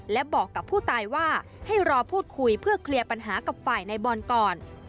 และบอกกับผู้ตายว่าให้รอพูดคุยเพื่อเคลียร์ปัญหากับฝ่ายในบอลก่อน